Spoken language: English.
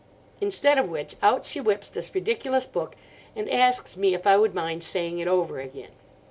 Instead of which, out she whips this ridiculous book and asks me if I would mind saying it over again.